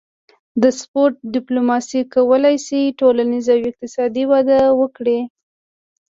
د سپورت ډیپلوماسي کولی شي ټولنیز او اقتصادي وده وکړي